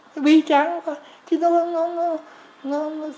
nó bi tráng quá